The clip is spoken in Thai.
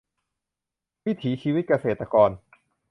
วิถีชีวิตเกษตรกร